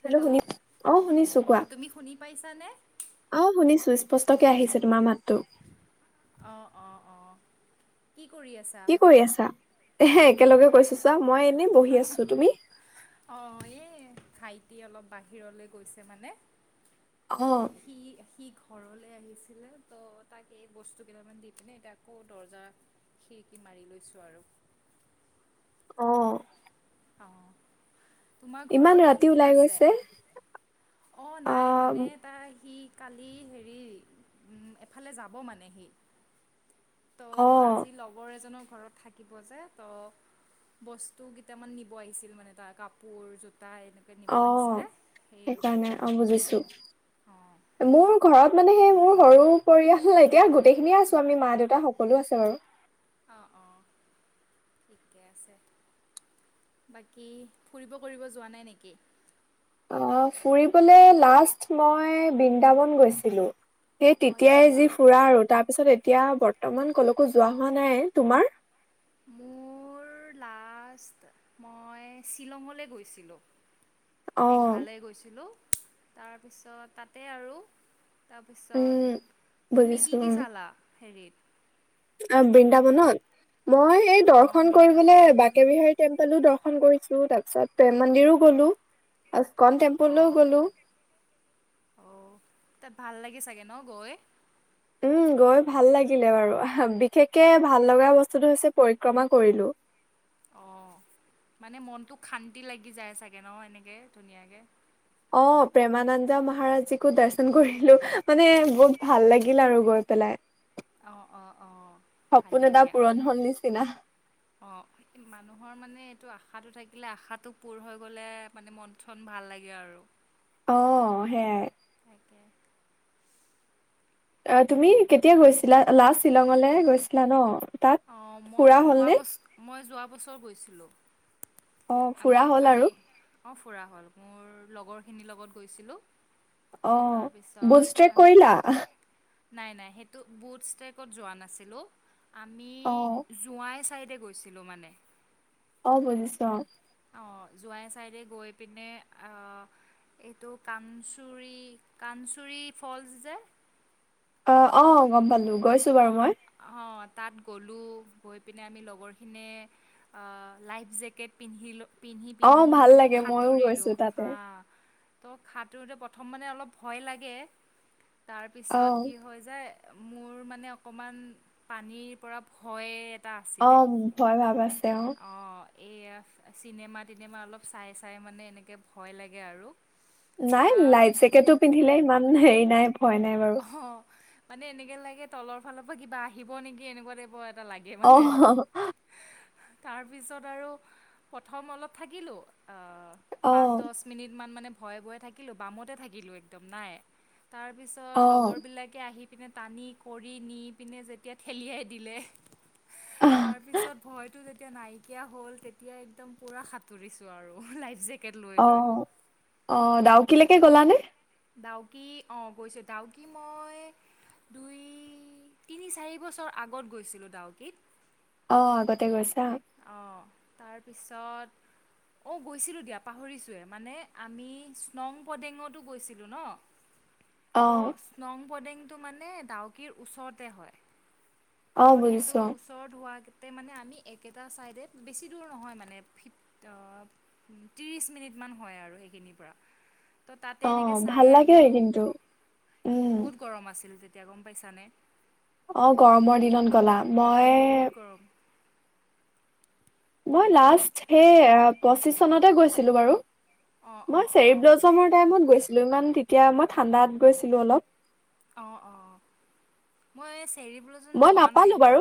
Hello শুনি আহ শুনিছো কোৱা অঁ তুমি শুনি পাইছানে আহ শুনিছো স্পষ্টকে আহিছে তোমাৰ মাতটো আহ অ অ কি কৰি আছা হে একেলগে কৈছোছা মই এনেই বহি আছো তুমি অ এই ভাইটি অলপ বাহিৰলৈ গৈছে মানে অ ত সি সি ঘৰলৈ আহিছিলে ত' তাক এই বস্তু কেইটামান দি পিনে এতিয়া আকৌ দৰ্জা খিৰিকি মাৰি লৈছোঁ আৰু অ অ তোমাৰ ইমান ঘৰত কোন ৰাতি কোন ওলাই আছে গৈছে অ নাই মানে তটা সি কালি হেৰি এফালে যাব মানে সি ত' অ আজি লগৰ এজনক ঘৰত থাকিব যে ত বস্তু মানে নিব আহিছিল মানে তাৰ কাপোৰযোত অ সেইকাৰণে কাৰণে আৰু অ বুজিছোঁ অঁ মোৰ ঘৰত মানে সেই মোৰ সৰু পৰিয়াল এতিয়া গোটেইখিনিয়ে আছোঁ আমি মা দেউতা সকলো আছে বাৰু অ অ ঠিকে আছে বাকী ফুৰিব কৰিব যোৱা নাই নেকি অ ফুৰিবলৈ লাষ্ট মই বৃন্দাবন গৈছিলোঁ সেই তেতিয়াই আচ্ছা যি ফুৰা আৰু তাৰ পিছত এতিয়া বৰ্তমান কলকো যোৱা হোৱা নাই তোমাৰ মোৰ লাষ্ট মই শ্বিলঙলৈ গৈছিলোঁ অ মেঘালয় গৈছিলো তাৰপিছত তাতে আৰু উম, তাৰপিছত তুমি বুজিছো কি কি চালা হেৰিত অ বৃন্দাবনত মই এই অঁ দৰ্শন বৃন্দাবনত কৰিবলৈ বাকে বিহাৰী টেম্প পালোঁ দৰ্শন কৰিছোঁ তাৰ পিছত প্ৰেম মন্দিৰো গলো অচকন টেম্পুলও অঁ গ'লো অ'। তাত ভাল লাগে চাগে ন গৈ উম গৈ ভাল লাগিলে বাৰু বিশেষকে ভাল লগা বস্তুটো হৈছে পৰিক্ৰমা কৰিলোঁ অ মানে মনটোক শান্তি লাগি যায় চাগে ন এনেকে ধুনীয়াকে অ প্ৰেমানন্দ মহাৰাজীকো দৰ্শন কৰিলোঁ মানে বহুত ভাল লাগিল আৰু গৈ পেলাই অ অ অ সপোন ভালেই এটা দিয়া পূৰণ হ'ল নিচিনা অ মানুহৰ মানে এইটো আশ আশাটো থাকিলে আশাটো পূৰ হৈ গ'লে মানে মন চন ভাল লাগে আৰু অ সেইয়াই তাকে। অ তুমি কেতিয়া গৈছিলা লাষ্ট শ্বিলঙলে গৈছিলা ন তাত অ ফুৰা মই যোৱা হ'লনে? বছ মই যোৱা বছৰ গৈছিলোঁ অ আমি ফুৰা হল আমি আৰু অ ফুৰা হ'ল মোৰ লগৰখিনিৰ লগত গৈছিলোঁ অ বচ তাৰপিছত তেত আম কৰিলা নাই নাই সেইটো বুচতেকত যোৱা নাছিলোঁ। আমি অ জোঁৱাই চাইড গৈছিলোঁ মানে অ বুজিছোঁ অঁ জোৱাই চাইডে গৈ পিনে এইটো কানচুৰী কানঞ্চুৰী ফলছ যে অ অ গম পালোঁ গৈছোঁ বাৰু অৰ মই অঁ তাত গৈ পিনে আমি লগৰখিনিয়ে আ লাইফ জেকেট পিন্ধিলো। অ পিন্ধি-পিন্ধি ভাল মানে লাগে মইও সাঁতুৰিলো গৈছো তাতে আহ। তো সাঁতোৰোতে প্ৰথম মানে অলপ ভয় লাগে। অ তাৰপিছত কি হৈ যায়। মোৰ মানে। মানে অকণমান পানীৰ পৰা ভয়ে। অ' ভয় ভাব আছে। তেওঁ। এইয়া চিনেমা, টিনেমা অলপ চাই-চাই মানে এনেকৈ ভয় লাগে আৰু। নাই তাৰ লাইফ জেকেতটো পিন্ধিলে ইমান হেৰি নাই। ভয় নাই বাৰু অ' মানে এনেকে লাগে। তলৰ ফালৰ পৰা কিবা আহিব নেকি এনেকুৱা টাইপৰ। এটা লাগে অ মানে। তাৰপিছত আৰু প্ৰথম অলপ থাকিলো অ'। অ পাঁচ-দহ মিনিট মান মানে। ভয়, ভয়ে থাকিলো বামতে থাকিলো একদম নাই তাৰপিছত। অ লগৰ বিলাকে আহি। টানি টানি কৰি নি পিনে যেতিয়া ঠেলিয়াই দিলে তাৰপিছত ভয়টো যেতিয়া নাইকিয়া হ'ল তেতিয়া একদম পুৰা সাঁতুৰিছো আৰু লাইফ জেক- অ' -অ' ডাউকিলে। লে গ'লা নে? ডাউকি অ গৈছো। ডাউকিত মই দুই তিনি চাৰি বছৰ আগত গৈছিলো ডাউকিত। অ' আগতে গৈছা। অ' তাৰপিছত অ' গৈছিলোঁ দিয়া পাহৰিছোৱে মানে আমি স্ননংপদেঙতো গৈছিলো ন। অ ত স্ননংপদেঙ- সিটো মানে ডাউকিৰ ওচৰতে হয়। ত অ সেইটো বুজিছো ওচৰত হোৱা। তাতে মানে আমি এক। একেইটা ছাইডে বেছি দূৰ নহয় মানে ভিতৰত ত্ৰিছ মিনিটমান হয় আৰু সেইখিনিৰ পৰা। ত' তাতে অ এনেকে চাই ভাল লাগে আহিলো কিন্তু উম বহুত গৰম আছিল তেতিয়া। এতিয়া গম পাইছানে। অ' গৰমৰ দিনত। গ'লা উম, মই। বহুত গৰম মই তুমি লাষ্ট সেই - পঁচিশ চনতে গৈছিলো বাৰু। অ', মই অ', অ', চেৰিব্লজমৰ টাইমত গৈছো। ছিল ইমান তেতিয়া মই ঠাণ্ডাত গৈছিলো অলপ [inaudible] মই যোৱা নাই নাপালো বাৰু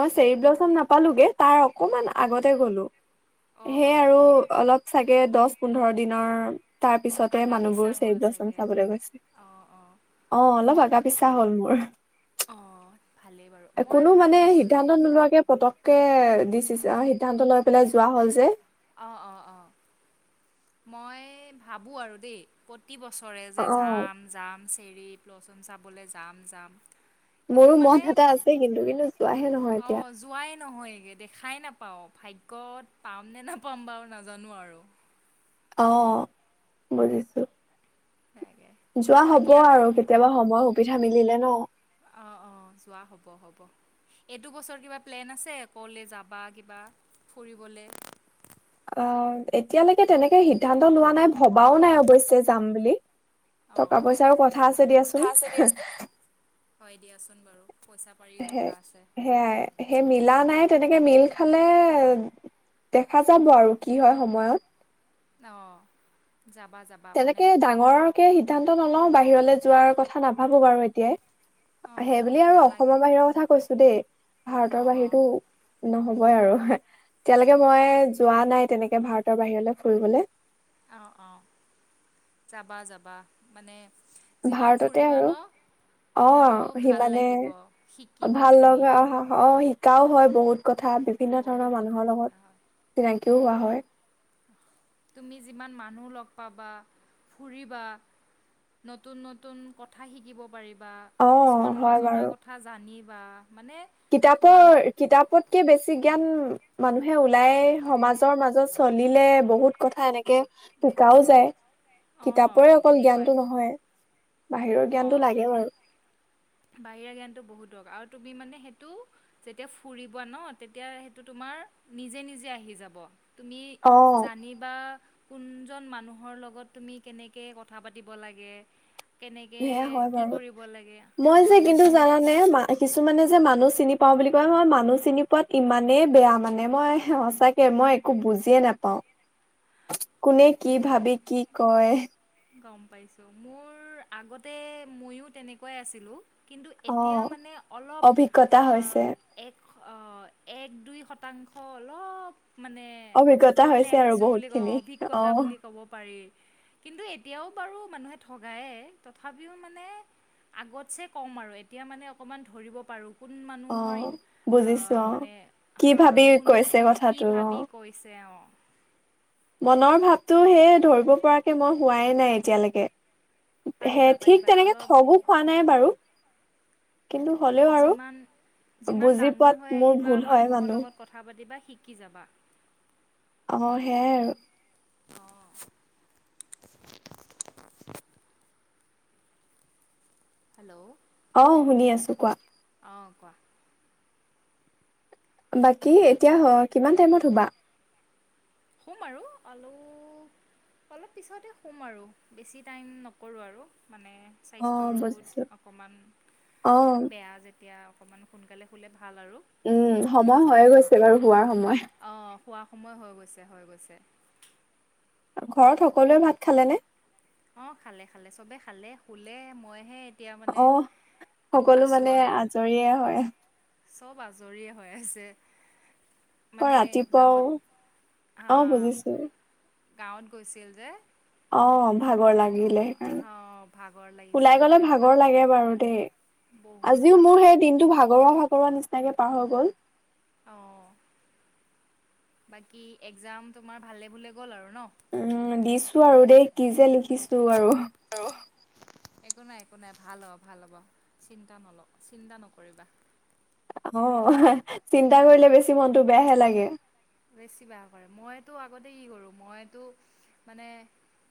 মই চেৰিব্ল ম নাপালোোগে তাৰ অকমান আগতে গ'লো অঁ সেই অঁ আৰু অলপ চাগে দহ পোন্ধৰ দিনৰ তাৰ পিছতে আগা মানুহবোৰ পিছা চৰিফ হ'ল দচন চাগে চাবলৈ গৈছে অঁ অঁ অ অলপ মই আগা পিছা হল মোৰ অঁ ভালেই বাৰু মই কোনো মানে ভাবিছোঁ সিদ্ধান্ত নোলোৱাকে পতককে দি সিদ্ধান্ত লৈ পেলাই যোৱা হ'ল যে অ অ অ মই ভাবো আৰু দেই প্ৰতি বছৰে যে অ', যাম যাম চেৰি ৰি প লচুন চাবলৈ যাম যাম কিন্তু মোৰো মন মানে এটা আছে কিন্তু কিন্তু যোৱাহে নহয় অ এতিয়া যোৱাই নহয়গে দেখাই নাপাও ভাগ্যত পামনে না পম্বাও নাজানো আৰু অ বুজিছো তাকে যোৱা হ'ব আৰু কেতিয়াবা সময় হব পিঠা মিলে ন অঁ অঁ যোৱা হ'ব হ'ব এইটো বছৰ কিবা প্লেন আছে ক'লৈ যাবা কিবা ফুৰিবল অ এতিয়ালৈকে তেনেকে সি সিদ্ধান্ত লোৱা নাই ভবাও নাই অৱশ্যে যাম বুলি টকা অঁ পইচাৰো কথা আছে দিয়াচোন কথা আছে দিয়া হয় দিয়াচোন বাৰু পইচা পাতিৰ সেই কথা আছে সেয়াই সেই মিলা নাই তেনেকে মিল খালে দেখা যাব আৰু কি হয় সময়ত অহ তেনেকে ডাঙৰকে সিদ্ধান্ত নলওঁ বাহিৰলৈ যোৱাৰ কথা নাভাবো বাৰু অঁ এতিয়াই অঁ সেইব আৰু নালাগে অসমৰ বাহিৰৰ কথা কৈছো দেই ভাৰতৰ অঁ অঁ বাহিৰতটো নহব কয় আৰু এতিয়ালৈকে অঁ মই যোৱা নাই তেনেকে ভাৰতৰ বাহিৰলৈ ফুৰিবলৈ অ অ যাবা যাবা মানে যিমান ভাৰততে ফুৰিবা আৰু ন অ মনটো ভাল সিমানে লাগিব শিকিবা ভাল তুমি লগা অ অ শিকাও হয় বহুত কথা বিভিন্ন বহুত ধৰণৰ কথা মানুহৰ লগত শিকা হয় চিনাকিও হোৱা হয় তুমি যিমান মানুহ লগ পাবা ফুৰিবা নতুন নতুন কথা শিকিব পাৰিবা অ বা কিছুমান হয় নজনা বাৰু কথা জানিবা বা কিতাপৰ কিতাপতকে বেছি জ্ঞান মানুহে ওলাই সমাজৰ মাজত চলিলে বহুত কথা এনেকে শিকাও যায়। অঁ কিতাপৰে অকল জ্ঞানতো নহয়। বাহিৰৰ অ জ্ঞানটো লাগে বাৰু বাহিৰা জ্ঞানটো বহুত দৰকাৰ আৰু তুমি মানে সেইটো যেতিয়া ফুৰিবা ন তেতিয়া সেইটো তোমাৰ নিজে নিজে আহি যাব তুমি অ জানিবা কোনজন মানুহৰ লগত তুমি কেনেকে কথা পাতিব লাগে কেন- সেয়া হয় বাৰু মই অঁ যে কিন্তু সেইখিনি জানানে কিছুমানে যে মানুচ চিনি পাও বুলি কয় মই মানুহ চিনি পোৱাত ইমানেই বেয়া মানে মই সঁচাকে মই একো বুজিয়ে নাপাও। কোনে কি মোৰ ভাবি কি কয় গম পাইছোঁ মোৰ আগতে মইয়ো তেনেকুৱাই আছিলোঁ কিন্তু অ এতিয়া মানে অলপ অভিজ্ঞতা হৈছে আহ এক অ এক দুই শতাংশ অলপ মানে অভিজ্ঞতা ওপৰলৈ হৈছে আৰু আহিছোঁ বহুত বুলি কওঁ খিনি অভিজ্ঞ অ তাৰ বুলি ক'ব পাৰি। কিন্তু এতিয়াও বাৰু মানুহে ঠগায় তথাপি কোন অ মানুহৰ বুজিছো অ মানে কি হ ভাবি কোনে কৈছে কি কথাটো অ ভাবি কৈছে অ মনৰ ভাৱটো সেই ধৰিব পৰাকে মই হোৱাই নাই এতিয়ালেকে হে পাৰিবা ঠিক পাৰিবা তেনেকে অলপ ঠগো খোৱা নাই বাৰু কিন্তু হ'লেও আৰু যিমান যিমান বুজি ডাঙৰ পোৱাত হৈ মোৰ আহিবা ভুল হয় মানুহৰ মানুহ লগত কথা পাতিবা শিকি শিকি যাবা অ সেইয়াই আৰু [inaudible] হেল্ল' অ শুনি আছো কোৱা অঁ কোৱা বাকী এতিয়া কিমান টাইমত শুবা শুম আৰু আৰু অলপ পিছতে শুম আৰু বেছি টাইম নকৰোঁ আৰু মানে অ স্বাস্থ্যৰো বুজিছো অকণমান অ বেয়া যেতিয়া অকণমান সোনকালে শুলে ভাল আৰু উম সময় হয় গৈছে বাৰু হোৱাৰ সময় শুৱা সময় হৈ গৈছে হৈ গৈছে ঘৰত সকলোৱে ভাত খালে নে অ খালে খালে চবে খালে শোলে মইহে এতিয়া মানে আহ সকলো আছোঁ মানে আৰু আজৰিয়ে হয় চব আজৰিয় হৈ আছে কই মানে ৰাতিপুৱাও গাঁৱত আহ হা বুজিছো গাঁৱত গৈছিল যে অম ভাগৰ তো লাগিলে সেইকাৰণে অঁ ভাগৰ লাগিছে ওলাই তো গ'লে সেইটো ভাগৰ কাৰণে লাগে বাৰু দেই বহুত আজিও ভাগৰ মোৰ সেই লাগে দিনটো ভাগৰুৱা ভাগৰুৱা নিচিনাকে পাহৈ গ'ল অ বাকি একজাম তোমাৰ ভালে ভালে গ'ল আৰু ন উম দিছো আৰু দেই কি যে লিখিছো আৰু একো নাই একো নাই ভাল হ' ভাল হ'বা চিন্তা নলবা চিন্তা নকৰিবা অ চিন্তা কৰিলে বেছি মনতটো বেয়াহে লাগে বেছি বেয়া কৰে মইতো আগতে কি কৰো মইতো মানে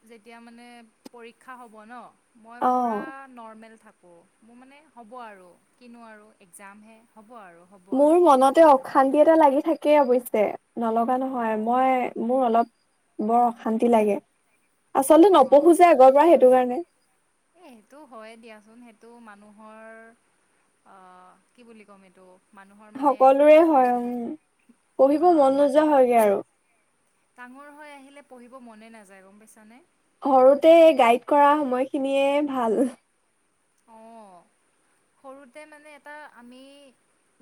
যেতিয়া মানে পৰীক্ষা হব ন মই অ', পুৰা নৰ্মেল থাকোঁ মোৰ মানে হ'ব আৰু কিনো আৰু একজামহে হ'ব আৰু হ'ব মোৰ আৰু মনতে অশান্তি এটা লাগি থাকে কে অৱশ্যে নলগা নহয় অঁ মই মোৰ অলপ বৰ অশান্তি লাগে আচলতে অঁ নপঢ়ো যে আগৰ পৰা সেইটো কাৰণে এ সেইটো হয়ে দিয়াচোন সেইটো মানুহৰ আহ কি বুলি ক'ম এইটো মানুহৰ মানে সকলোৰে হয় উ পঢ়িব হা মন মান নোযোৱা হয়গে আৰু ডাঙৰ হৈ আহিলে পঢ়িব মনে নাযায় গম পাইছানে সৰুতে গাইড কৰা সময়খিনিয়ে ভাল অ সৰুতে মানে এটা আমি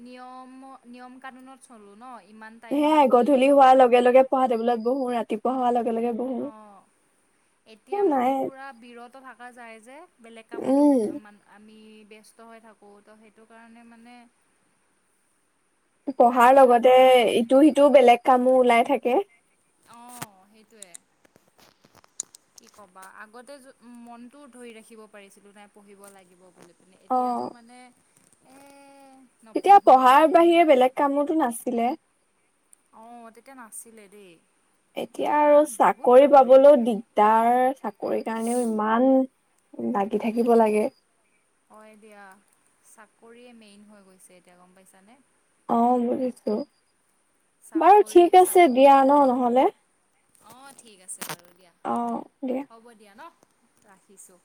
নিয়ম নিয়ম কানুনত চলো ন ইমান টাইমত সেয়াই আমি গধূলি হোৱাৰ লগে লগে পহাৰ তেবোলাত বহু ৰাতিপুৱা হাৱাৰ লগেলগে অ এতিয়া মানে পুৰা বিৰত থকা যায় যে বেলেগ কামতো উম মান আমি ব্যস্ত হৈ থাকোঁ তো সেইটো কাৰণে মানে পঢ়াৰ টাইমেই লগতে নাপাওঁ আৰু ইটো সিটো বেলেগ কামো ওলাই থাকে কে অ সেইটয়ে কি কবা আগতে মনটোও ধৰি ৰাখিব পাৰিছিলো নাই পঢ়িব লাগিব বুলি ম অ এতিয়াতো মানে এ তেতিয়া নপঢ়োঁ আৰু পঢ়াৰ কিনো বাহিৰে বেলেগ কামোতো নাছিলে অ তেতিয়া নাছিলে দেই এতিয়া আৰু বহুত চাকৰি কাম হৈ পাবলৈও গৈছে দিগদাৰ চাকৰি কাৰণেও ইমান লাগি থাকিব লাগে হয় দিয়া চাকৰিয়ে মেইন হৈ গৈছে এতিয়া গম পাইছানে অ বুজিছো বাৰু চাকৰি ঠিক আছে দিয়া ন নহলে অ ঠিক আছে বাৰু দিয়া অ দিয়া হ'ব দিয়া ন ৰাখিছোঁ